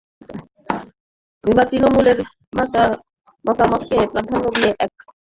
এবার তৃণমূলের মতামতকে প্রাধান্য দিয়ে একক প্রার্থী দেওয়ার রূপরেখা তৈরি করা হচ্ছে।